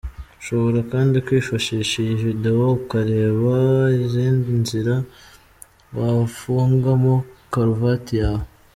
Ushobora kandi kwifashisha iyi video ukareba izindi nzira wafungamo karuvati yawe:.